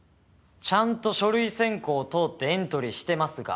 ちゃんと書類選考通ってエントリーしてますが。